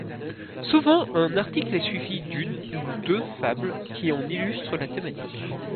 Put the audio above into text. Souvent, un article est suivi d'une ou deux fables qui en illustrent la thématique.